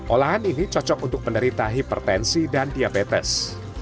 olahan ini cocok untuk penderita hipertensi dan diabetes